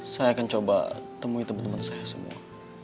saya akan coba temui teman teman saya semua